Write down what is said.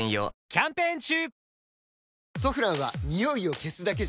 キャンペーン中！